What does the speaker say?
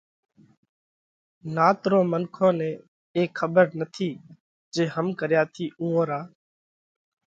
نات رو منکون نئہ اي کٻر نٿِي جي هم ڪريا ٿِي اُوئون را